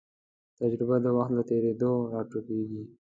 تجربه د وخت له تېرېدو راټوکېږي.